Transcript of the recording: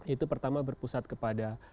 itu pertama berpusat kepada